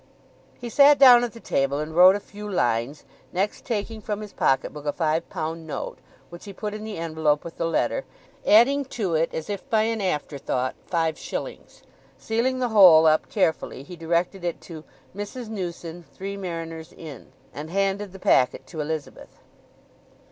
He sat down at the table and wrote a few lines, next taking from his pocket book a five pound note, which he put in the envelope with the letter, adding to it, as by an afterthought, five shillings. Sealing the whole up carefully, he directed it to "Mrs. Newson, Three Mariners Inn," and handed the packet to Elizabeth.